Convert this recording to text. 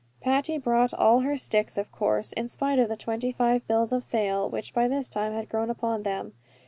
Patty brought all her sticks of course, in spite of the twenty five bills of sale, which by this time had grown upon them.